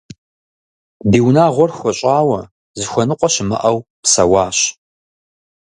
Ди унагъуэр хуэщӀауэ, зыхуэныкъуэ щымыӀэу псэуащ.